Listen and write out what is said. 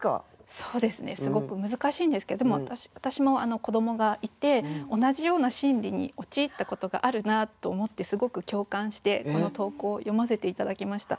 そうですねすごく難しいんですけどでも私も子どもがいて同じような心理に陥ったことがあるなと思ってすごく共感してこの投稿読ませて頂きました。